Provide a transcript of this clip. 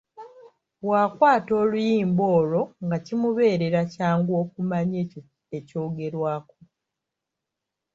Bw’akwata oluyimba olwo nga kimubeerera kyangu okumanya ekyo ekyogerwako.